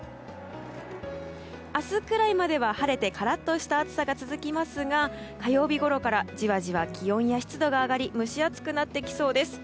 明日くらいまでは晴れてカラッとした暑さが続きますが火曜日ごろからじわじわと気温や湿度が上がり蒸し暑くなってきそうです。